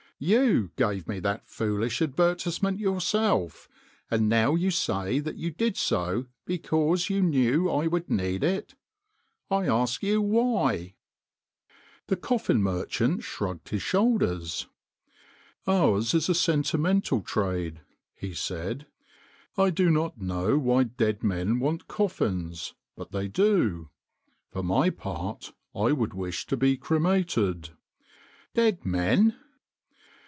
You gave me that foolish advertisement yourself, and now you say that you did so because you knew I would need it. I ask you why ?" The coffin merchant shrugged his shoulders. " Ours is a sentimental trade," he said, " I do not know why dead men want coffins, but they do. For my part I would wish to be cremated." " Dead men